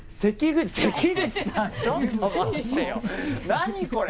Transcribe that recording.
何これ？